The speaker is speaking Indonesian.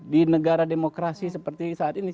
di negara demokrasi seperti saat ini